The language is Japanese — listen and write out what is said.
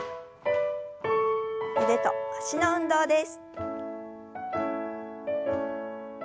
腕と脚の運動です。